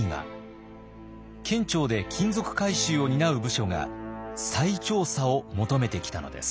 県庁で金属回収を担う部署が再調査を求めてきたのです。